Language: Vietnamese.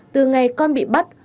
từ ngày con bị bắt